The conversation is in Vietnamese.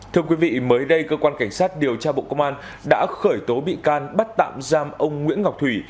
thưa quý vị mới đây cơ quan cảnh sát điều tra bộ công an đã khởi tố bị can bắt tạm giam ông nguyễn ngọc thủy